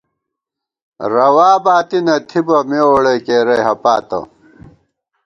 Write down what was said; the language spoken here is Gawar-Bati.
* رَوا باتی نہ تھِتہ، مے ووڑئی کېرَئی ہَپاتہ